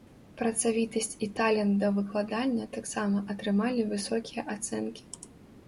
Працавітасць і талент да выкладання таксама атрымалі высокія ацэнкі.